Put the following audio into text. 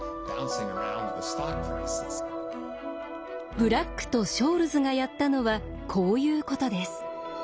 ブラックとショールズがやったのはこういうことです。